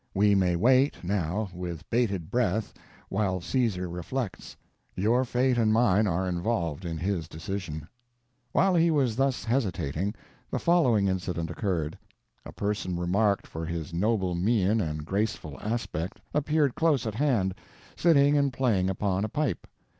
We may wait, now, with bated breath, while Caesar reflects. Your fate and mine are involved in his decision. While he was thus hesitating, the following incident occurred. A person remarked for his noble mien and graceful aspect appeared close at hand, sitting and playing upon a pipe.